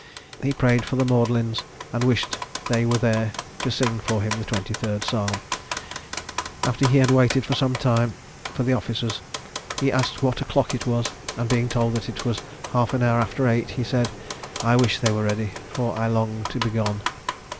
He prayed for the Magdalens, and wished they were there, to sing for him the 23d Psalm. "After he had waited some time for the officers, he asked what o'clock it was; and, being told that it was half an hour after eight, he said 'I wish they were ready, for I long to be gone.'